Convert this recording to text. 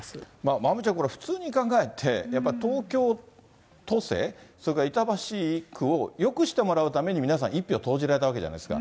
まおみちゃん、これ、普通に考えて、東京都政、それから板橋区をよくしてもらうために皆さん、一票を投じられたわけじゃないですか。